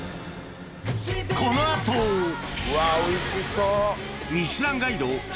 この後うわおいしそう！